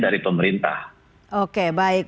dari pemerintah oke baik